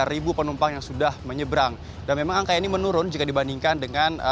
merak itu satu ratus dua puluh tiga penumpang yang sudah menyeberang dan memang angka ini menurun jika dibandingkan dengan